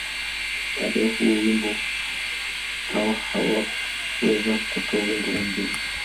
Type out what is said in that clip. Baada ya huo wimbo, Hawa hakuweza kutoa wimbo mwingine.